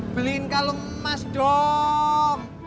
beliin kalau emas dong